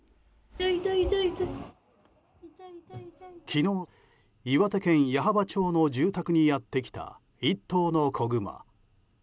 昨日、岩手県矢巾町の住宅にやってきた１頭の子グマ。